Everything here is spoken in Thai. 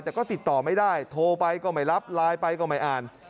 แต่ก็ติดต่อไม่ได้โทรไปก็ไม่รับไลน์ไปก็ไม่อ่าน